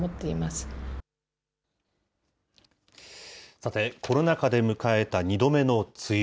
さて、コロナ禍で迎えた２度目の梅雨。